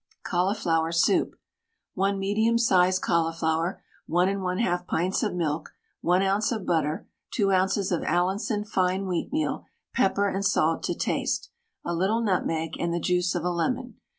CAULIFLOWER SOUP. 1 medium sized cauliflower, 1 1/2 pints of milk, 1 oz. of butter, 2 oz. of Allinson fine wheatmeal, pepper and salt to taste, a little nutmeg, and the juice of a lemon.